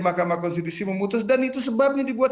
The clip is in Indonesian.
mahkamah konstitusi memutus dan itu sebabnya dibuat